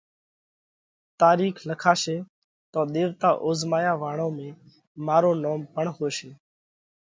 تارِيخ لکاشي تو ۮيوَتا اوزهميا واۯون ۾ مارو نوم پڻ هوشي۔